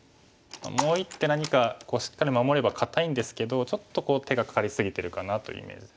もう一手何かしっかり守れば堅いんですけどちょっと手がかかり過ぎてるかなというイメージです。